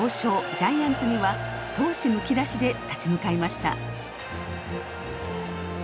ジャイアンツには闘志むき出しで立ち向かいました。